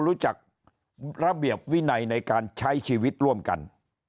รู้จักระเบียบวินัยในการใช้ชีวิตร่วมกัน